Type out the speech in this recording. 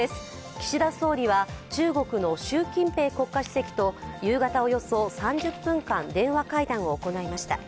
岸田総理は中国の習近平国家主席と夕方およそ３０分間、電話会談を行いました。